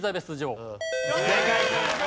正解。